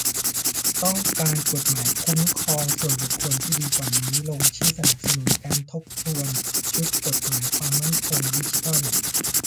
ต้องการกฎหมายคุ้มครองส่วนบุคคลที่ดีกว่านี้ ? ลงชื่อสนับสนุนการทบทวนชุดกฎหมายความมั่นคงดิจิทัล